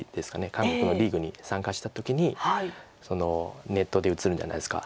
韓国のリーグに参加した時にネットで映るじゃないですか。